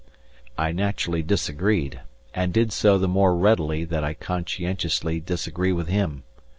I naturally disagreed, and did so the more readily that I conscientiously disagree with him.